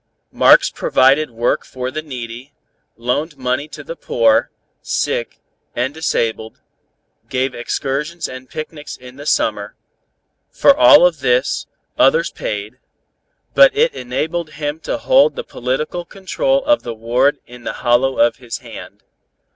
Marx provided work for the needy, loaned money to the poor, sick and disabled, gave excursions and picnics in the summer: for all of this others paid, but it enabled him to hold the political control of the ward in the hollow of his hand.